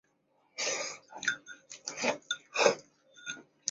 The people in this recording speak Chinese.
广州台声称羊城论坛是中国大陆最早举办的政论性电视论坛。